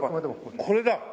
これだ。